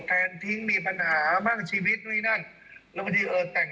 แทนทิ้งมีปัญหาบ้างชีวิตนู่นนี่นั่นแล้วบางทีเออแต่ง